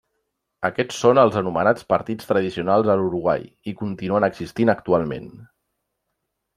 Aquests són els anomenats partits tradicionals a l'Uruguai, i continuen existint actualment.